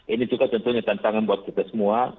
ini juga tentunya tantangan buat kita semua